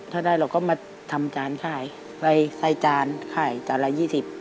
ถ้าได้เราก็มาทำจานขายใส่จานขายจานละยี่สิบ